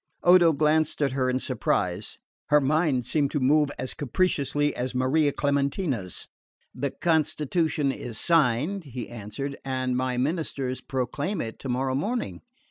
Odo glanced at her in surprise. Her mind seemed to move as capriciously as Maria Clementina's. "The constitution is signed," he answered, "and my ministers proclaim it tomorrow morning."